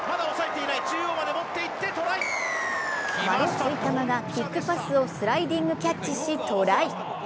マロ・ツイタマがキックパスをスライディングキャッチしトライ。